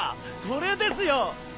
それですよ！